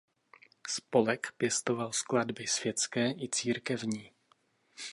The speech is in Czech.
Spolek pěstoval skladby světské i církevní.